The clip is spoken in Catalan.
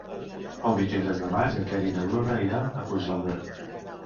El vint-i-tres de maig en Quer i na Bruna iran a Puigdàlber.